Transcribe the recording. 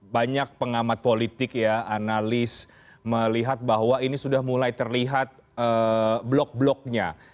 banyak pengamat politik ya analis melihat bahwa ini sudah mulai terlihat blok bloknya